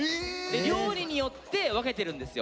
料理によって分けてるんですよ。